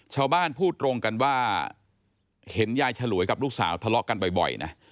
ชาวบ้านพูดตรงกันว่าเห็นยายฉลวยกับลูกสาวทะเลาะกันบ่อยนะ